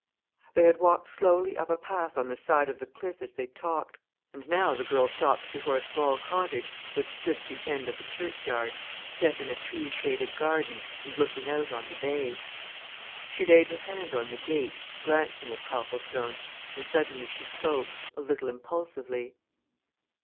They had walked slowly up a path on the side of the cliff as they talked, and now the girl stopped before a small cottage which stood at the end of the churchyard, set in a tree shaded garden, and looking out on the bay. She laid her hand on the gate, glancing at Copplestone, and suddenly she spoke, a little impulsively.